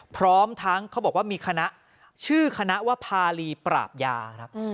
พร้อมทั้งเขาบอกว่ามีคณะชื่อคณะว่าภารีปราบยาครับ